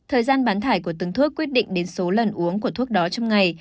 thời gian bán thải của từng thuốc quyết định đến số lần uống của thuốc đó trong ngày